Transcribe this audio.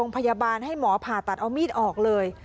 พยาบาลให้หมอผ่าตัดเอามีดออกเลย